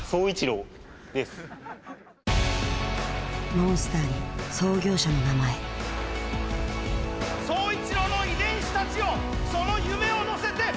モンスターに創業者の名前宗一郎の遺伝子たちよその夢を乗せて。